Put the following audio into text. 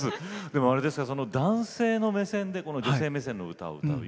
でも男性の目線でこの女性目線の歌を歌う。